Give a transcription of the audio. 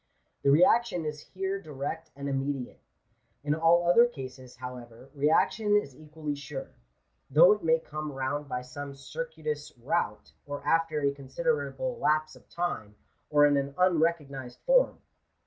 The reaction is here direct and immediate. In all other cases, however, reaction is equally sure, though it may come round by some circuitous route, or after a consider able lapse of time, or in an unrecognized form.